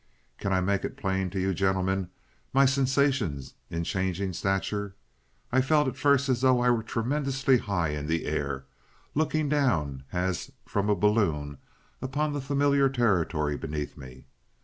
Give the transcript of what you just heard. Can I make it plain to you, gentlemen, my sensations in changing stature? I felt at first as though I were tremendously high in the air, looking down as from a balloon upon the familiar territory beneath me.